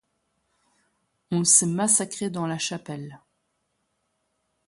On s'est massacré dans la chapelle.